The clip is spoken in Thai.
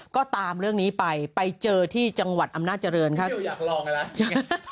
ก็ตามเรื่องนี้ไปไปเจอที่จังหวัดอำนาจริงครับ